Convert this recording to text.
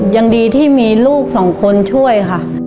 ยังดีที่มีลูกสองคนช่วยค่ะ